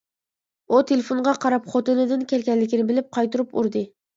ئۇ تېلېفونغا قاراپ خوتۇنىدىن كەلگەنلىكىنى بىلىپ، قايتۇرۇپ ئۇردى.